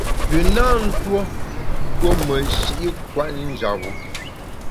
Pü na ntuo tuo meshi’ kwet njap-bu.